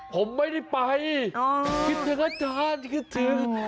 ผมไม่ได้ไป